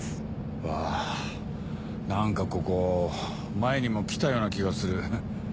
わぁ何かここ前にも来たような気がする。